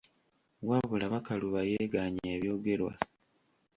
Wabula Bakaluba yeegaanye ebyogerwa.